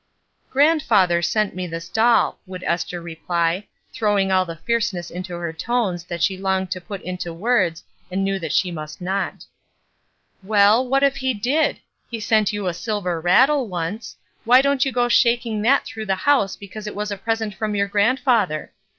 ''Grandfather sent me this doll," would Esther reply, throwing all the fierceness into her tones that she longed to put into words and knew that she must not. ''Well, what if he did? He sent you a silver rattle once. Why don't you go shaking that through the house because it was a present from THORNS 41 your grandfather?